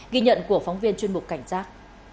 ghi nhận của phóng viên chuyên mục cảnh sát